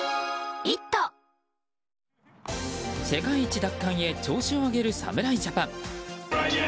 世界一奪還へ調子を上げる侍ジャパン。